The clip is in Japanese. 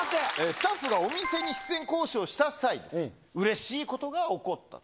スタッフがお店に出演交渉した際、うれしいことが起こった。